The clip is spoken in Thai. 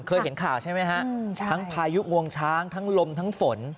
เคยเห็นข่าวใช่ไหมฮะทั้งพายุงวงช้างทั้งลมทั้งฝน